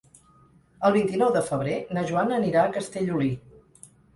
El vint-i-nou de febrer na Joana anirà a Castellolí.